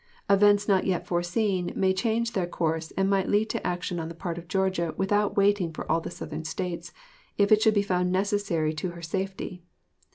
Events not yet foreseen may change their course and might lead to action on the part of Georgia without waiting for all the Southern States, if it should be found necessary to her safety.